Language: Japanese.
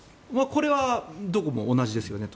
これはどこも同じですよねと。